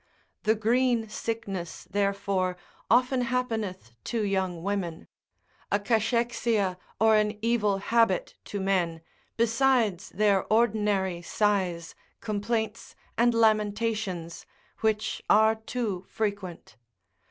The green sickness therefore often happeneth to young women, a cachexia or an evil habit to men, besides their ordinary sighs, complaints, and lamentations, which are too frequent.